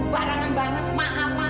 barangan banget maaf maaf